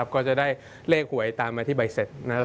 ก็จะได้เลขหวยตามมาที่ใบเสร็จ